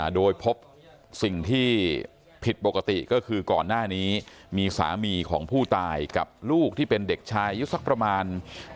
โดยพบสิ่งที่ผิดปกติก็คือก่อนหน้านี้มีสามีของผู้ตายกับลูกที่เป็นเด็กชายอายุสักประมาณ